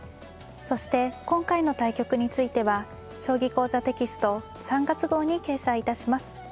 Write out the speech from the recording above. そして今回の対局については「将棋講座」テキスト３月号に掲載致します。